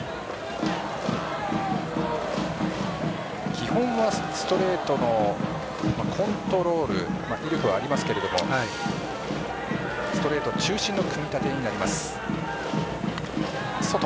基本はストレートのコントロール、威力はありますがストレート中心の組み立てになります。